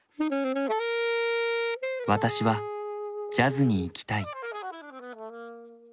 「わたしはジャズに生きたい」。